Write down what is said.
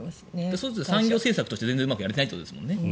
そうすると産業政策としてうまくやれないということですもんね。